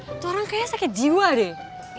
itu orang kayaknya sakit jiwa deh